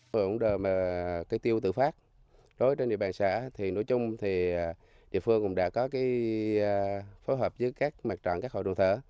vụ đồ mà cái tiêu tự phát đối với địa bàn xã thì nối chung thì địa phương cũng đã có cái phối hợp với các mặt trọn các hội đồng thờ